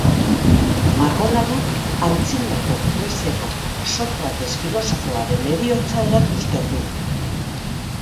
Margolanak Antzinako Greziako Sokrates filosofoaren heriotza erakusten du.